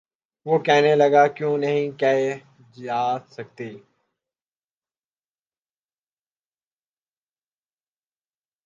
وہ کہنے لگا:کیوں نہیں کہی جا سکتی؟